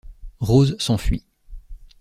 Rose s'enfuit.